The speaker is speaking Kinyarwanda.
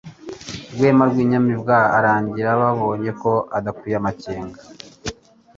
Rwema rw'inyamibwa urarangira; Babonye ko udakwiye ab'amakenga